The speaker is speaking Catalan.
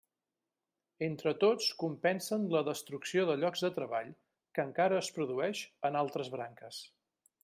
Entre tots compensen la destrucció de llocs de treball que encara es produeix en altres branques.